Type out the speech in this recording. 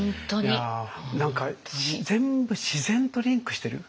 何か全部自然とリンクしてる。